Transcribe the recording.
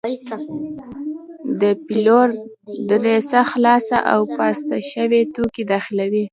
د پلیور دریڅه خلاصه او پاسته شوي توکي داخلوي.